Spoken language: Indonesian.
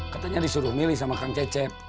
katanya disuruh milih sama kang cecep